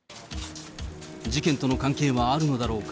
事件との関係はあるのだろうか。